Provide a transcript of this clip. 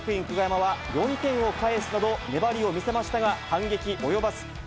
久我山は４点を返すなど、粘りを見せましたが、反撃及ばず。